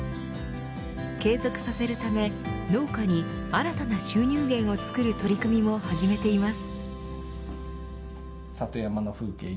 継続させるため農家に新たな収入源を作る取り組みも始めています。